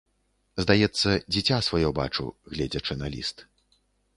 Здаецца, дзіця сваё бачу, гледзячы на ліст.